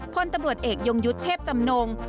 พลตำรวจเอกยงยุทธ์เทพจำนง